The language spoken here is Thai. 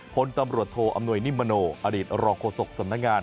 พลตำรวจโทอำนวยนิมมโนอดีตรองโฆษกสำนักงาน